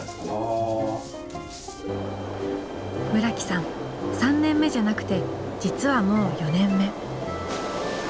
村木さん３年目じゃなくて実はもう４年目。